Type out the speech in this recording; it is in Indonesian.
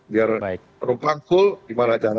biar penumpang full gimana caranya